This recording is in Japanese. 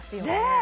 え